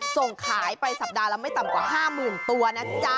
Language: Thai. ส่งขายไปสัปดาห์ละไม่ต่ำกว่า๕๐๐๐ตัวนะจ๊ะ